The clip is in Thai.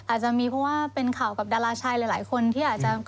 อาจจะมีเพราะว่าเป็นข่าวกับดาราชายหลายคนที่อาจจะ